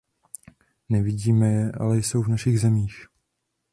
Nevidíme je, ale jsou v našich zemích.